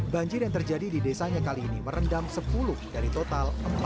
banjir yang terjadi di desanya kali ini merendam sepuluh dari total empat belas rw